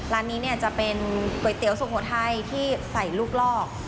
ร้านนี้เนี่ยจะเป็นก๋วยเตี๋ยวสุโขทัยที่ใส่ลูกลอก